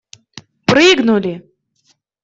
Прыгнули!